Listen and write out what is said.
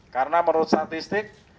karena menurut statistik